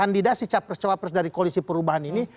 kandidasi capres cawapres dari koalisi perubahan ini